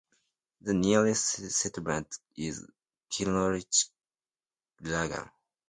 The nearest settlement is Kinloch Laggan.